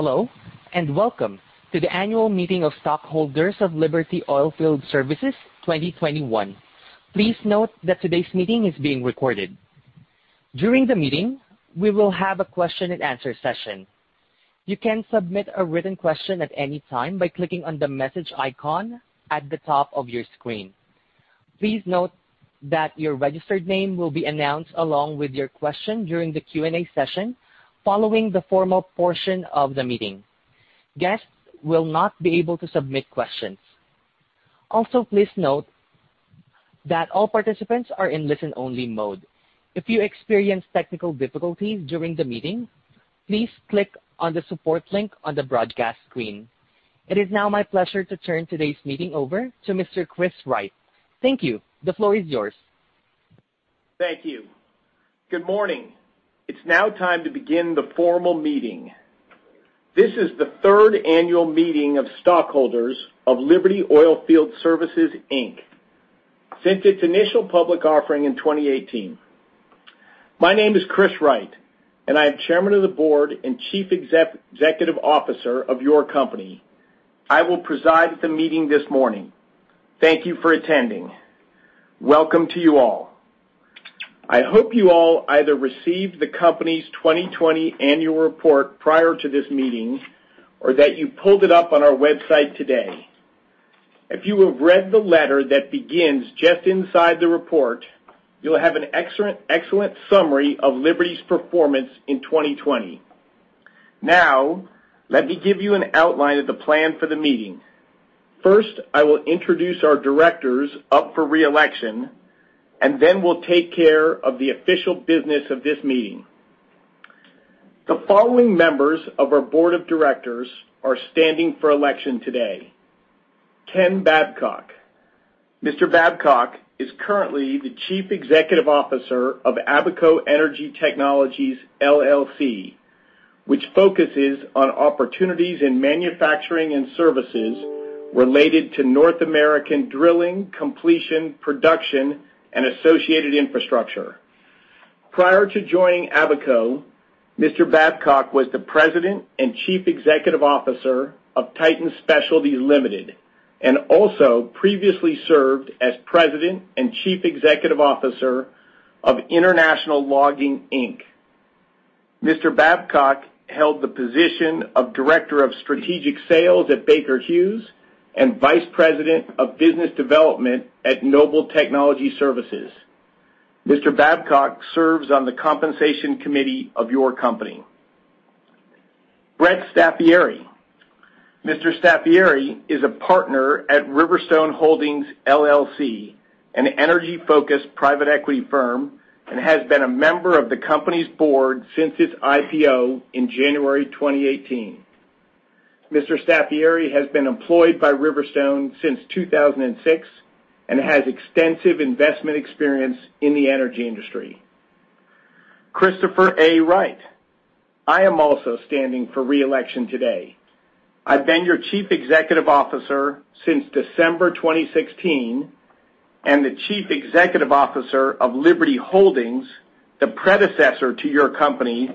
Hello, welcome to the annual meeting of stockholders of Liberty Oilfield Services 2021. Please note that today's meeting is being recorded. During the meeting, we will have a question-and-answer session. You can submit a written question at any time by clicking on the message icon at the top of your screen. Please note that your registered name will be announced along with your question during the Q&A session, following the formal portion of the meeting. Guests will not be able to submit questions. Please note that all participants are in listen-only mode. If you experience technical difficulties during the meeting, please click on the support link on the broadcast screen. It is now my pleasure to turn today's meeting over to Mr. Chris Wright. Thank you. The floor is yours. Thank you. Good morning. It's now time to begin the formal meeting. This is the third annual meeting of stockholders of Liberty Oilfield Services Inc, since its initial public offering in 2018. My name is Chris Wright. I am Chairman of the Board and Chief Executive Officer of your company. I will preside at the meeting this morning. Thank you for attending. Welcome to you all. I hope you all either received the company's 2020 annual report prior to this meeting or that you pulled it up on our website today. If you have read the letter that begins just inside the report, you'll have an excellent summary of Liberty's performance in 2020. Let me give you an outline of the plan for the meeting. First, I will introduce our directors up for re-election. Then we'll take care of the official business of this meeting. The following members of our board of directors are standing for election today. Ken Babcock. Mr. Babcock is currently the Chief Executive Officer of Abaco Energy Technologies LLC, which focuses on opportunities in manufacturing and services related to North American drilling, completion, production, and associated infrastructure. Prior to joining Abaco, Mr. Babcock was the President and Chief Executive Officer of Titan Specialties, Ltd, and also previously served as President and Chief Executive Officer of International Logging, Inc. Mr. Babcock held the position of Director of Strategic Sales at Baker Hughes and Vice President of Business Development at Noble Technology Services. Mr. Babcock serves on the compensation committee of your company. Brett Staffieri. Mr. Staffieri is a partner at Riverstone Holdings LLC, an energy-focused private equity firm, and has been a member of the company's board since its IPO in January 2018. Mr. Staffieri has been employed by Riverstone since 2006 and has extensive investment experience in the energy industry. Christopher A. Wright. I am also standing for re-election today. I've been your Chief Executive Officer since December 2016 and the Chief Executive Officer of Liberty Holdings, the predecessor to your company,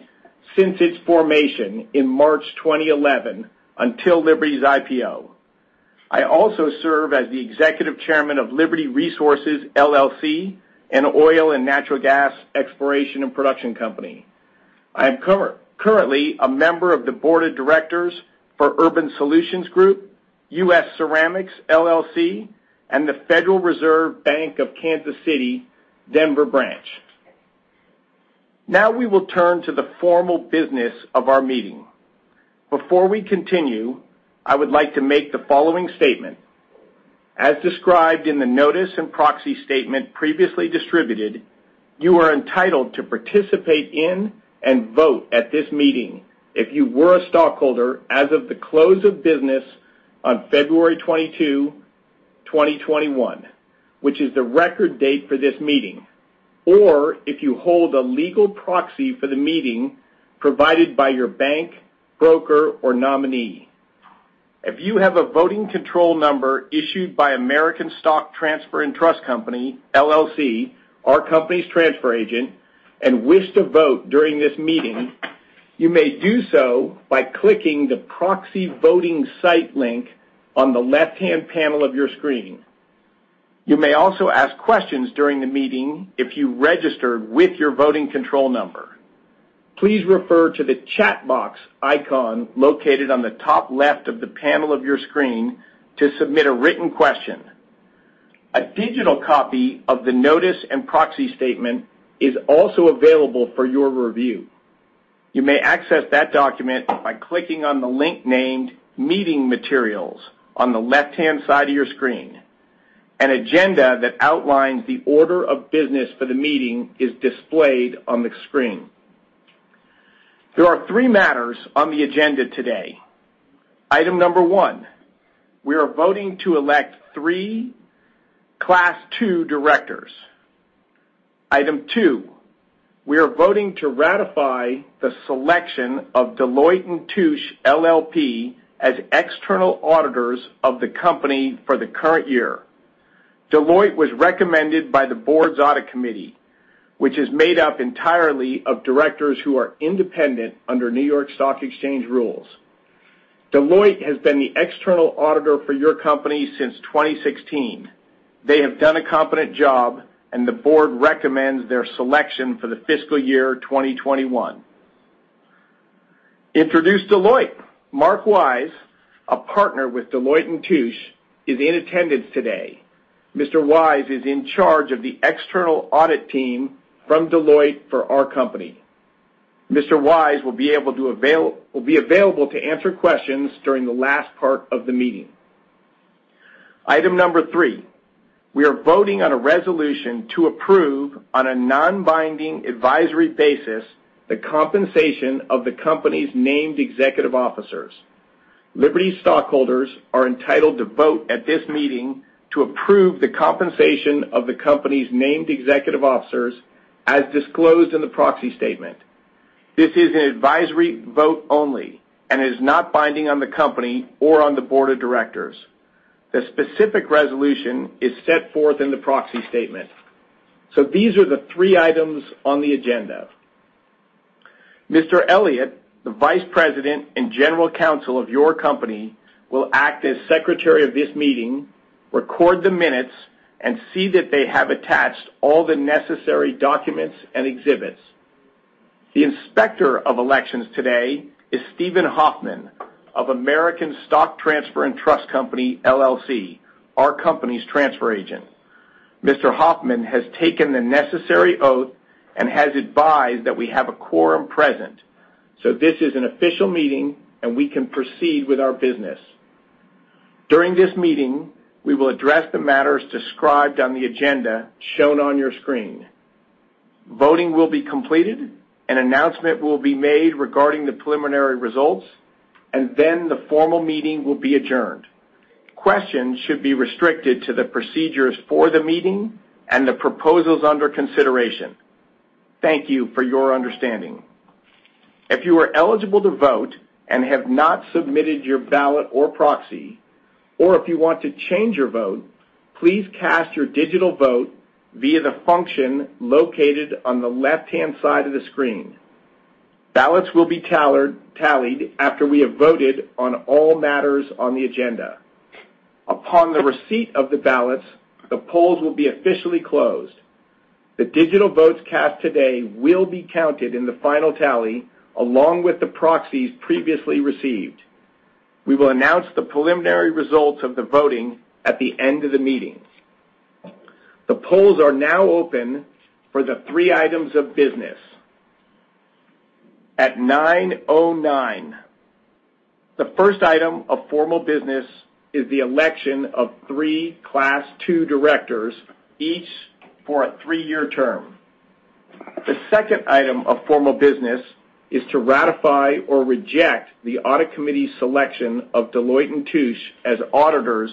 since its formation in March 2011 until Liberty's IPO. I also serve as the Executive Chairman of Liberty Resources LLC, an oil and natural gas exploration and production company. I am currently a member of the board of directors for Urban Solutions Group, US Ceramics LLC, and the Federal Reserve Bank of Kansas City, Denver Branch. Now we will turn to the formal business of our meeting. Before we continue, I would like to make the following statement. As described in the notice and proxy statement previously distributed, you are entitled to participate in and vote at this meeting if you were a stockholder as of the close of business on February 22, 2021, which is the record date for this meeting, or if you hold a legal proxy for the meeting provided by your bank, broker, or nominee. If you have a voting control number issued by American Stock Transfer & Trust Company, LLC, our company's transfer agent, and wish to vote during this meeting, you may do so by clicking the proxy voting site link on the left-hand panel of your screen. You may also ask questions during the meeting if you registered with your voting control number. Please refer to the chat box icon located on the top left of the panel of your screen to submit a written question. A digital copy of the notice and proxy statement is also available for your review. You may access that document by clicking on the link named Meeting Materials on the left-hand side of your screen. An agenda that outlines the order of business for the meeting is displayed on the screen. There are three matters on the agenda today. Item No. 1, we are voting to elect three Class II directors. Item 2, we are voting to ratify the selection of Deloitte & Touche LLP as external auditors of the company for the current year. Deloitte was recommended by the board's audit committee, which is made up entirely of directors who are independent under New York Stock Exchange rules. Deloitte has been the external auditor for your company since 2016. They have done a competent job, and the board recommends their selection for the fiscal year 2021. Introduce Deloitte. Mark Wise, a partner with Deloitte & Touche, is in attendance today. Mr. Wise is in charge of the external audit team from Deloitte for our company. Mr. Wise will be available to answer questions during the last part of the meeting. Item No. 3. We are voting on a resolution to approve on a non-binding advisory basis the compensation of the company's named executive officers. Liberty stockholders are entitled to vote at this meeting to approve the compensation of the company's named executive officers as disclosed in the proxy statement. This is an advisory vote only and is not binding on the company or on the board of directors. The specific resolution is set forth in the proxy statement. These are the three items on the agenda. Mr. Elliott, the Vice President and General Counsel of your company, will act as secretary of this meeting, record the minutes, and see that they have attached all the necessary documents and exhibits. The inspector of elections today is Steven Hoffman of American Stock Transfer & Trust Company, LLC, our company's transfer agent. Mr. Hoffman has taken the necessary oath and has advised that we have a quorum present. This is an official meeting, and we can proceed with our business. During this meeting, we will address the matters described on the agenda shown on your screen. Voting will be completed, an announcement will be made regarding the preliminary results, and then the formal meeting will be adjourned. Questions should be restricted to the procedures for the meeting and the proposals under consideration. Thank you for your understanding. If you are eligible to vote and have not submitted your ballot or proxy, or if you want to change your vote, please cast your digital vote via the function located on the left-hand side of the screen. Ballots will be tallied after we have voted on all matters on the agenda. Upon the receipt of the ballots, the polls will be officially closed. The digital votes cast today will be counted in the final tally, along with the proxies previously received. We will announce the preliminary results of the voting at the end of the meeting. The polls are now open for the three items of business. At 9:09 A.M., the first item of formal business is the election of three Class II directors, each for a three-year term. The second item of formal business is to ratify or reject the audit committee's selection of Deloitte & Touche as auditors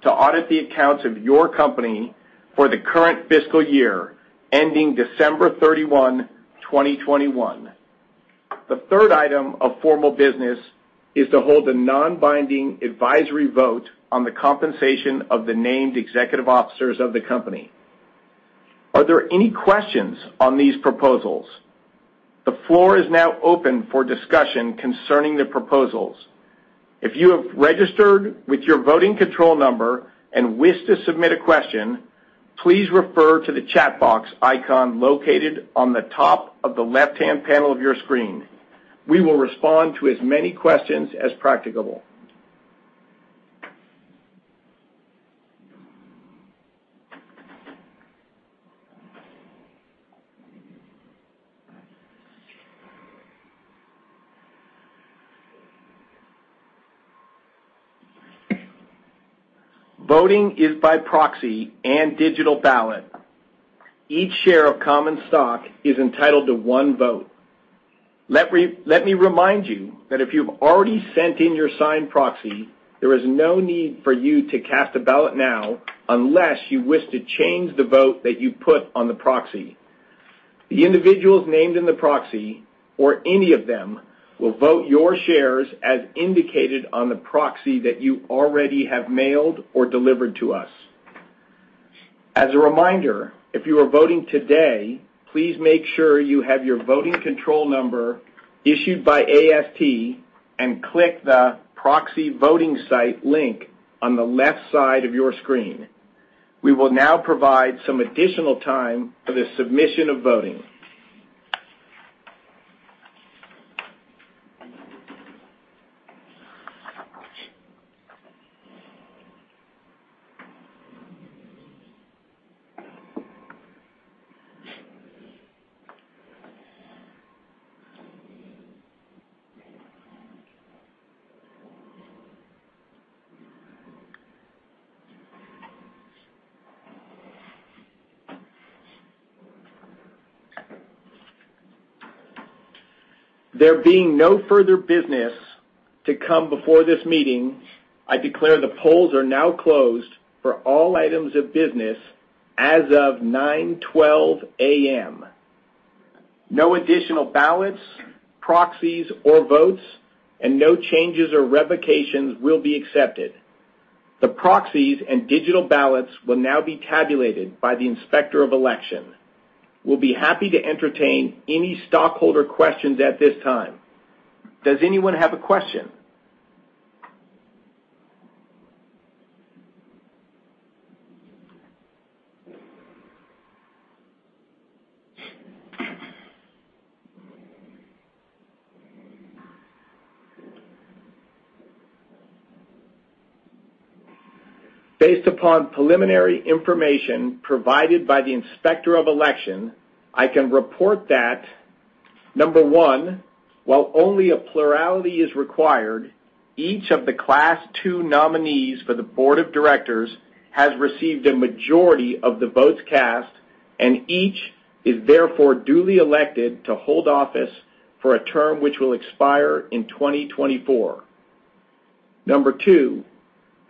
to audit the accounts of your company for the current fiscal year ending December 31, 2021. The third item of formal business is to hold a non-binding advisory vote on the compensation of the named executive officers of the company. Are there any questions on these proposals? The floor is now open for discussion concerning the proposals. If you have registered with your voting control number and wish to submit a question, please refer to the chat box icon located on the top of the left-hand panel of your screen. We will respond to as many questions as practicable. Voting is by proxy and digital ballot. Each share of common stock is entitled to one vote. Let me remind you that if you've already sent in your signed proxy, there is no need for you to cast a ballot now unless you wish to change the vote that you put on the proxy. The individuals named in the proxy or any of them will vote your shares as indicated on the proxy that you already have mailed or delivered to us. As a reminder, if you are voting today, please make sure you have your voting control number issued by AST and click the proxy voting site link on the left side of your screen. We will now provide some additional time for the submission of voting. There being no further business to come before this meeting, I declare the polls are now closed for all items of business as of 9:12 A.M. No additional ballots, proxies, or votes, and no changes or revocations will be accepted. The proxies and digital ballots will now be tabulated by the Inspector of Elections. We'll be happy to entertain any stockholder questions at this time. Does anyone have a question? Based upon preliminary information provided by the Inspector of Elections, I can report that, number one, while only a plurality is required, each of the Class II nominees for the board of directors has received a majority of the votes cast, and each is therefore duly elected to hold office for a term which will expire in 2024. Number two,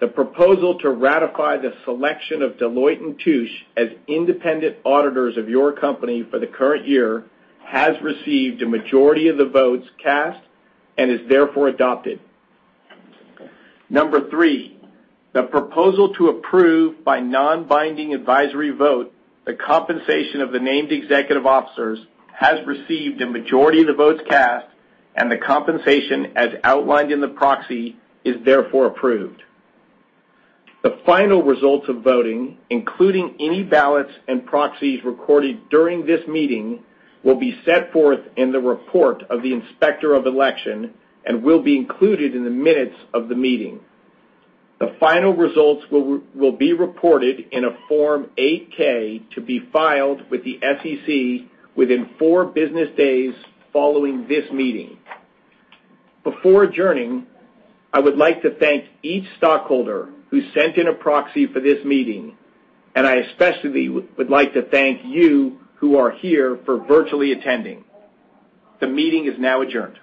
the proposal to ratify the selection of Deloitte & Touche as independent auditors of your company for the current year has received a majority of the votes cast and is therefore adopted. Number three, the proposal to approve by non-binding advisory vote the compensation of the named executive officers has received a majority of the votes cast, and the compensation as outlined in the proxy is therefore approved. The final results of voting, including any ballots and proxies recorded during this meeting, will be set forth in the report of the Inspector of Election and will be included in the minutes of the meeting. The final results will be reported in a Form 8-K to be filed with the SEC within four business days following this meeting. Before adjourning, I would like to thank each stockholder who sent in a proxy for this meeting, I especially would like to thank you who are here for virtually attending. The meeting is now adjourned.